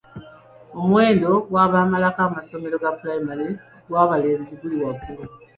Omuwendo gw'abamalako amasomero ga pulayimale ogw'abalenzi guli waggulu.